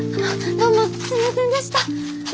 どうもすみませんでした！